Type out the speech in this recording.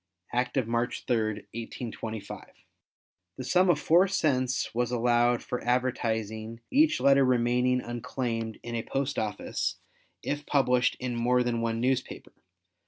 Act of March 3, 1825. The sum of 4 cents was allowed for advertising each letter remaining unclaimed in a post office if published in more than one newspaper.